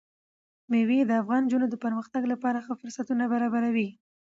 مېوې د افغان نجونو د پرمختګ لپاره ښه فرصتونه برابروي.